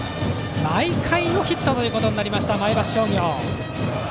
毎回のヒットとなりました前橋商業。